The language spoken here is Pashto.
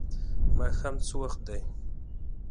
ماښام څه وخت دی؟